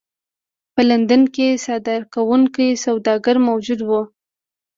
په لندن کې صادروونکي سوداګر موجود وو.